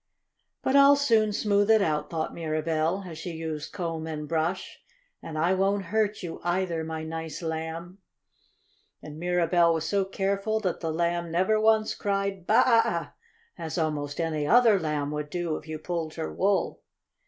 "But I'll soon smooth it out," thought Mirabell, as she used comb and brush. "And I won't hurt you, either, my nice Lamb!" And Mirabell was so careful that the Lamb never once cried Baa a! as almost any other lamb would do if you pulled her wool.